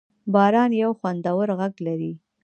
باران یو خوندور غږ لري.